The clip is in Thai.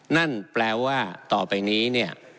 นั่นแปลว่าต่อไปนี้เนี่ย